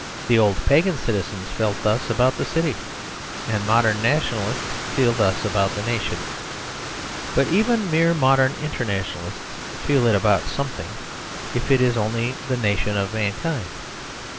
The old pagan citizens felt thus about the city; and modern nationalists feel thus about the nation. But even mere modern internationalists feel it about something; if it is only the nation of mankind.